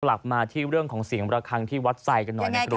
กลับมาที่เรื่องของเสียงระคังที่วัดไซค์กันหน่อยนะครับ